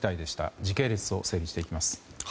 時系列を整理していきます。